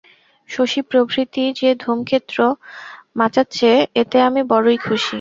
শশী প্রভৃতি যে ধূমক্ষেত্র মাচাচ্চে, এতে আমি বড়ই খুশী।